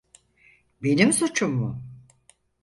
Benim suçum mu?